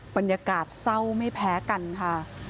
บรรยากาศเศร้าไม่แพ้กันค่ะ